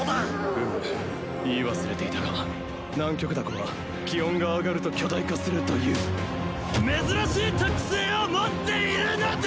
うむ言い忘れていたが南極ダコは気温が上がると巨大化するという珍しい特性を持っているのだ！